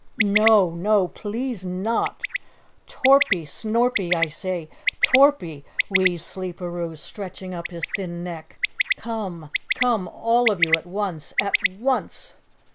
"No. No! Please NOT! Torpy Snorpy I say, Torpy," wheezed Sleeperoo, stretching up his thin neck. "Come, come all of you at once. At ONCE!"